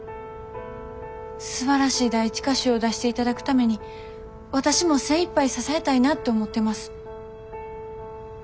すばらしい第一歌集を出していただくために私も精いっぱい支えたいなって思ってます。